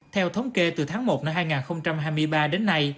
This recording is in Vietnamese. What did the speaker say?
theo thống kê từ tháng một đến hai nghìn hai mươi ba